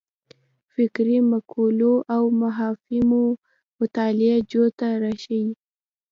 فکري مقولو او مفاهیمو مطالعه جوته راښيي.